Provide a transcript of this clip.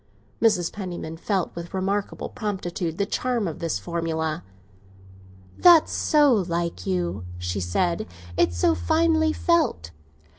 Mrs. Penniman felt with remarkable promptitude the charm of this formula. "That's so like you," she said; "it's so finely felt."